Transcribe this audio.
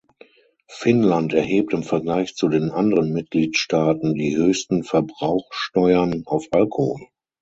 Finnland erhebt im Vergleich zu den anderen Mitgliedstaaten die höchsten Verbrauchsteuern auf Alkohol.